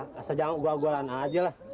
nah sejauh gua gulan aja lah